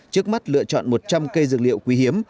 trước mắt lựa chọn một trăm linh cây dược liệu quý hiếm